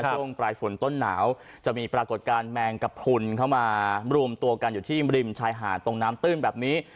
ช่วงปลายฝนต้นหนาวจะมีปรากฏการณ์แมงกระพุนเข้ามารวมตัวกันอยู่ที่ริมชายหาดตรงน้ำตื้นแบบนี้